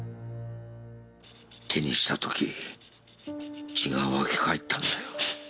手にした時血が沸きかえったんだよ。